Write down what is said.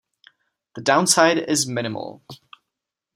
The downside is minimal.